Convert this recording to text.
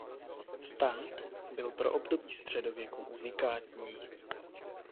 Stát byl pro období středověku unikátní.